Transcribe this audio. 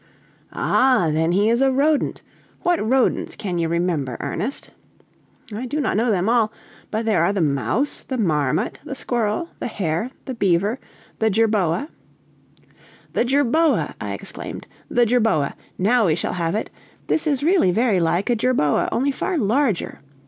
"Ah! then he is a rodent. What rodents can you remember, Ernest?" "I do not know them all, but there are the mouse, the marmot, the squirrel, the hare, the beaver, the jerboa " "The jerboa!" I exclaimed, "the jerboa! now we shall have it. This is really very like a jerboa, only far larger.